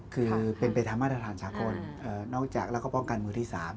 คือเป็นไปตามมาตรฐานสากลนอกจากแล้วก็ป้องกันมือที่๓